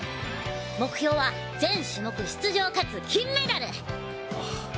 目標は全種目出場かつ金メダル！あっ。